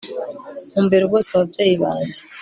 Nkumbuye rwose ababyeyi banjye